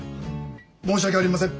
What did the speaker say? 申し訳ありません。